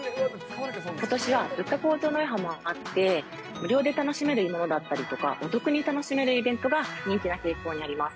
ことしは物価高騰の余波もあって、無料で楽しめるものだったりとか、お得に楽しめるイベントが人気な傾向にあります。